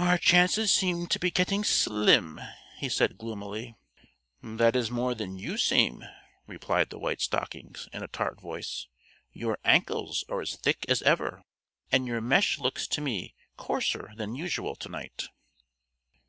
"Our chances seem to be getting slim," he said gloomily. "That is more than you seem," replied the White Stockings, in a tart voice. "Your ankles are as thick as ever, and your mesh looks to me coarser than usual to night."